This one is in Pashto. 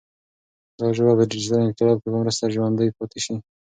دا ژبه به د ډیجیټل انقلاب په مرسته ژوندۍ پاتې شي.